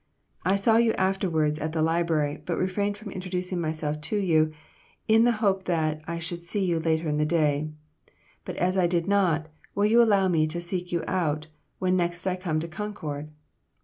I saw you afterward at the Library, but refrained from introducing myself to you, in the hope that I should see you later in the day. But as I did not, will you allow me to seek you out, when next I come to Concord?